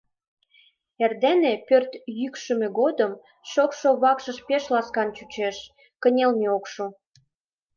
Эрдене, пӧрт йӱкшымӧ годым, шокшо вакшыш пеш ласкан чучеш, кынелме ок шу.